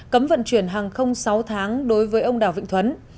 cấm vận chuyển hàng không sáu tháng đối với ông đào vĩnh thuấn